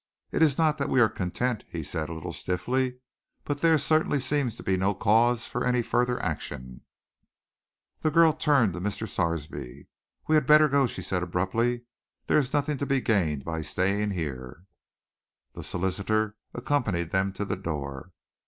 "It is not that we are content," he said, a little stiffly, "but there certainly seems to be no cause for any further action." The girl turned to Mr. Sarsby. "We had better go," she said abruptly. "There is nothing to be gained by staying here." The solicitor accompanied them to the door.